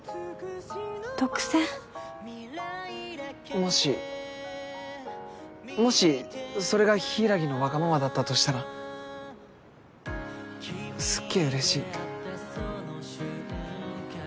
もしもしそれが柊のわがままだったとしたらすっげぇうれしい。